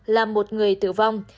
là một người tử vong